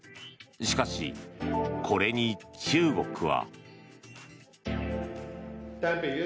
しかし、これに中国は。